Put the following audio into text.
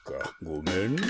ごめんな。